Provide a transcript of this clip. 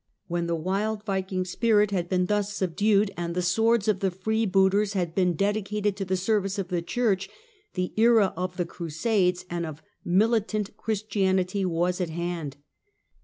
When the wild Viking spirit had been thus subdued, and the swords of the freebooters had been dedicated to the service of the Church, the era of the Crusades and of " militant Christianity " was at hand.